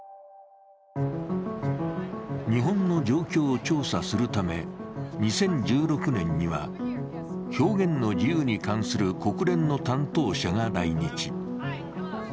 日本の状況を調査するため、２０１６年には、表現の自由に関する国連の担当者が来日。